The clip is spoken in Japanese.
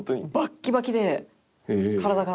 体が。